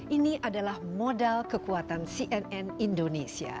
ini adalah modal kekuatan cnn indonesia